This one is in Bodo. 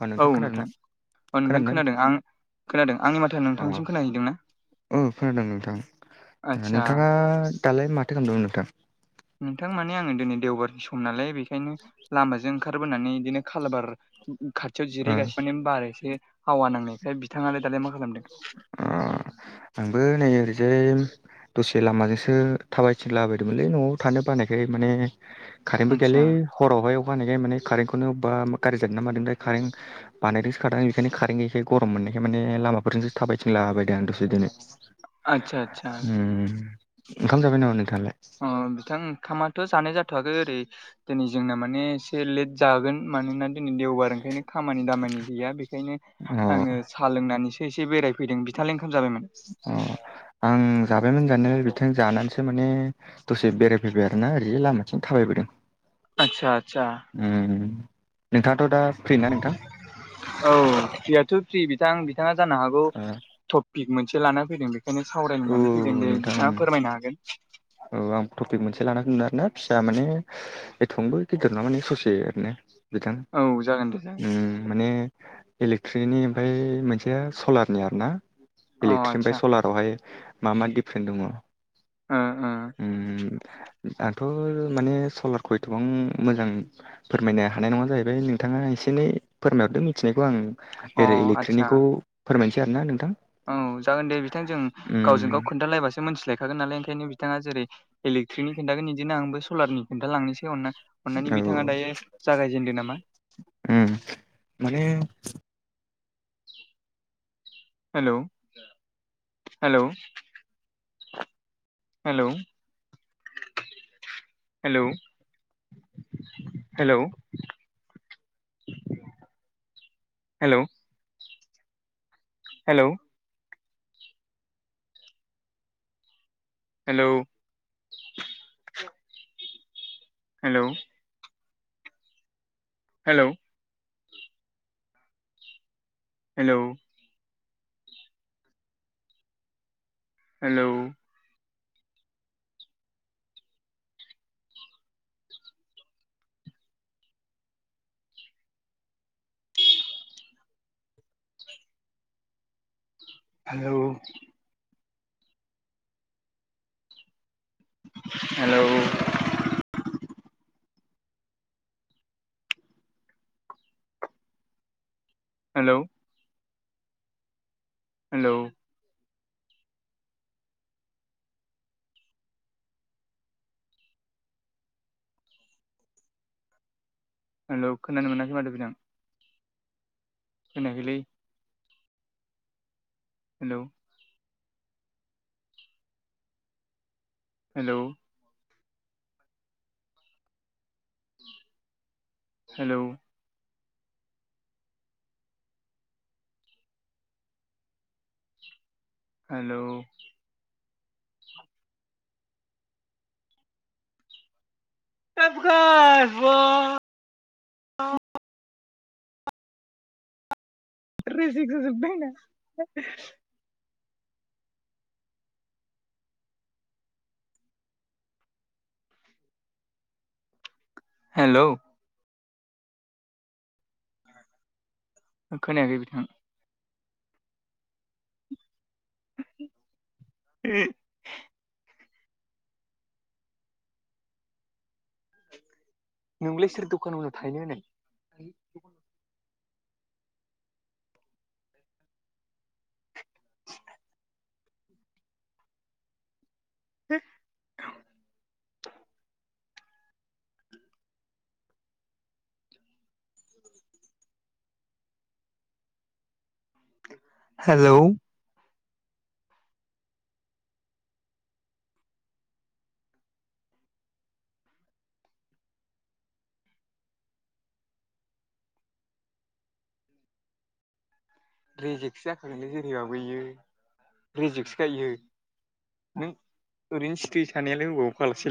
औ नोंथां खोनादोंना? अ नोंथां खोनादोंना खोनादों आं खोनादों आंनि माथोआ अ नोंथांसिम खोनाहैदों ना? औ खोनादों नोंथां आदसा नोंथाङा दालाय माथो खालामदोंमोन नोंथां? नोंथां माने आङो दिनै देवबारनि सम नालाय बेखायनो लामाजों ओंखारबोनानै बिदिनो खालबार खाथियाव ओ जिरायगासिनो बार एसे हावा नांनायखाय बिथाङालाय दालाय मा खालामदों। अ आंबो नै ओरैजाय दसे लामाजोंसो थाबाय थिंलाबायदोंमोनलै न'आव थानो बानायखाय माने कारेन्टबो आदसा गैयालै हरावहाय अखा हानायखाय माने कारेन्टखौनो अबा गारजि जादों ना मादोंथाइ कारेन्ट बानायदोंसो खादां बेखायनो कारेन्ट गैयैखाय गरम मोनदों। बेमाने लामाफोरजोंसो थाबायथिंलाबायदों आं दसे दिनै आदसा आदसा उम ओंखाम जाबाय नामा नोंथाङालाय? अ बिथां ओंखामाथ' जानाय जाथ'वाखै ओरै दिनै जोंना माने एसे लेट जागोन मानोना जोंनि देवबार ओंखायनो खामानि दामानि गैया बेखायनो अ आङो‌ साहा लोंनानैसो एसे बेरायफैदों बिथांलाइ ओंखाम जाबायमोन? अ आं जाबायमोन जानाया बे बिथां जानानैसो माने दसे बेरायफैबाय आरोना ओरैजाय लामाथिं थाबायबोदों। आतसा आतसा उम नोंथाङाथ' दा फ्रिना नोंथां? औ फ्रियाथ' फ्रि बिथां बिथाङा जानो हागौ टपिक मोनसे लाना फैदों बेखायनो औ सावरायनानै फैदों दे नोंथां बिथाङा फोरमायनो हागोन। औ आं टपिक मोनसे लाना दोन्दो आरोना फिसा माने एथंबांबो गिदिर नङा माने ससे ओरैनो बिथां औ जागोन दे जागोन उम माने। इलेक्ट्रिकनि ओमफ्राय मोनसेया सलारनि आरोना अ इलेक्ट्रिक आदसा ओमफ्राय सलारावहाय मा मा दिफ्रेन्ट दङ ओ ओ उम आंथ' माने सलारखौ एथ'बां मोजां फोरमायनो हानाय नङा जाहैबाय नोंथाङा एसे एनै फोरमायहरदो मिथिनायखौ आं अ ओरै आदसा इलेक्ट्रनिकखौ फोरमायनोसै आरोना नोंथां औ जागोन दे बिथां जों गावजों उम गाव खोन्थालायबासो मिथिलायखागोन नालाय ओंखायनो बिथाङा जेरै इलेकट्रिकनि खिनथागोन इदिनो आंबो सलारनि खिनथा लांनोसै अनानै। अन्नानै औ बिथाङा दायो जागायजेनदो नामा। उम माने hello hello hello hello hello hello hello hello hello hello hello hello hello hello hello hello hello खोनानो मोनाखै माथो बिथां। खोनायाखैलै हेलौ हेलौ हेलौ हेलौ सबकास बा रिजेक जाजोबाय आंना। हेलौ खोनायाखै बिथां उम नोंखौलाय सोर दखान उनाव थाहैनो होनाय। [unintelligible] [inaudible] हो [inaudible] हेलौ रिजेकसो जाखागोनलै जेरैबाबो एयो रेजिकसो खाइयो नों ओरैनो सिख्रि थानायालाय अबाव फाग्ला सेल